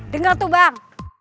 dengar tuh bang